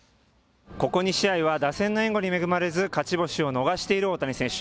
ここ２試合は打線の援護に恵まれず勝ち星を逃している大谷選手。